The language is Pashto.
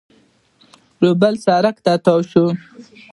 یو بل سړک ته تاو شول